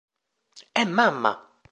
E' mamma!